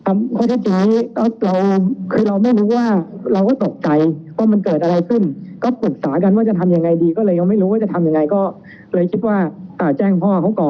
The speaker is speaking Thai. โอเคก็ตื่นการไม่รู้ว่าเราตกใจก่อนมันเกิดอะไรขึ้นก็คือจริงก็จะทำยังไงดีก็เลยไม่รู้ว่าจะทำยังไงก็เลยคิดว่าแต่แจ้งพ่อ